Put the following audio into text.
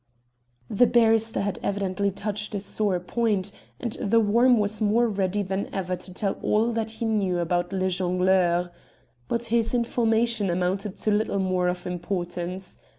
The barrister had evidently touched a sore point, and "The Worm" was more ready than ever to tell all that he knew about Le Jongleur. But his information amounted to little more of importance.